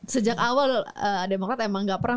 sejak awal demokrat memang tidak pernah